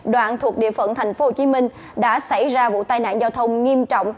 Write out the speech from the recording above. đoạn thuộc địa phận tp hcm đã xảy ra vụ tai nạn giao thông nghiêm trọng